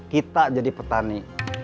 kita jadi petani